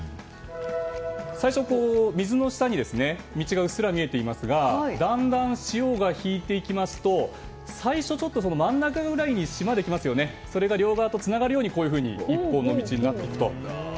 最初、水の下に道がうっすら見えていますがだんだん潮が引いていきますと最初は真ん中ぐらいに島ができましてそれが両側とつながるように１本の道になっていくと。